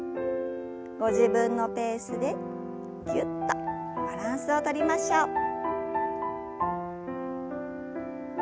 ご自分のペースでぎゅっとバランスをとりましょう。